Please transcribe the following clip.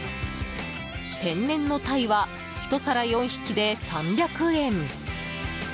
天然のタイは１皿４匹で３００円！